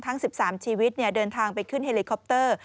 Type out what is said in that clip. ทั้ง๑๓ชีวิตเดินทางไปขึ้นเฮลิคอปเตอร์